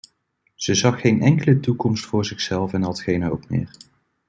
Ze zag geen enkele toekomst voor zichzelf en had geen hoop meer.